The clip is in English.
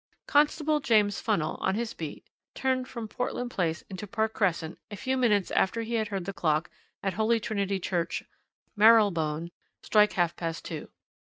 "Constable James Funnell, on his beat, turned from Portland Place into Park Crescent a few minutes after he had heard the clock at Holy Trinity Church, Marylebone, strike half past two.